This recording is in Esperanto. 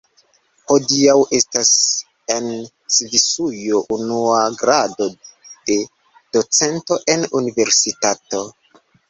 Hodiaŭ estas en Svisujo unua grado de docento en universitato.